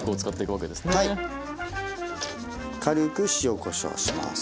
軽く塩・こしょうします。